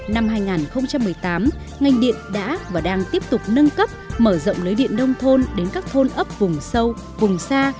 năm hai nghìn một mươi tám ngành điện đã và đang tiếp tục nâng cấp mở rộng lưới điện nông thôn đến các thôn ấp vùng sâu vùng xa